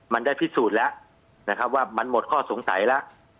มันได้พิสูจน์แล้วนะครับว่ามันหมดข้อสงสัยแล้ว